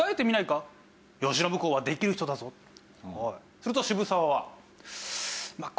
すると渋沢は。